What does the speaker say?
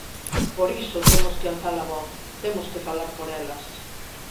Por iso temos que alzar a voz, temos que falar por elas.